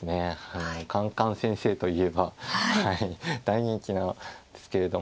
カンカン先生といえば大人気なんですけれども。